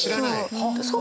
そう。